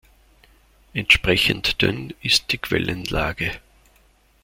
Entsprechend dünn ist die Quellenlage.